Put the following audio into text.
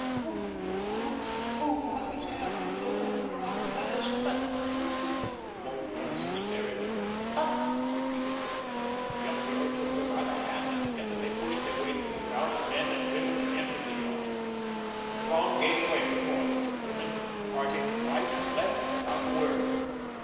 "Oh, what has happened; oh, what has happened?" moaned Mrs. Derrick. "Come," repeated Hilma. The young girl took her by the hand and together they pushed their way through the crowd of men and women and entered the yard. The throng gave way before the two women, parting to right and left without a word.